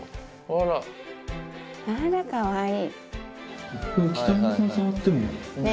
あらかわいい。